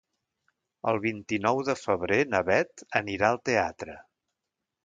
El vint-i-nou de febrer na Bet anirà al teatre.